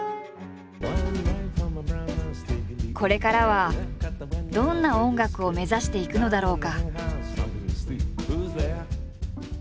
これからはどんな音楽を目指していくのだろうか？